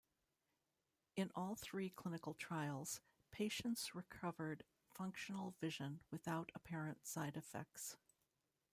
In all three clinical trials, patients recovered functional vision without apparent side-effects.